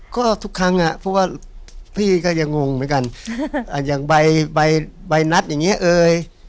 ก็ทุกครั้งอ่ะเพราะว่าพี่ก็ยังงงเหมือนกันอย่างใบใบนัดอย่างเงี้เอ่ย